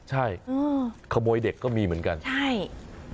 ใช่ขโมยเด็กก็มีเหมือนกันใช่